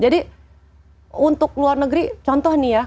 jadi untuk luar negeri contoh nih ya